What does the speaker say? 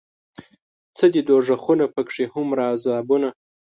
څه دي دوزخونه پکې هومره عذابونه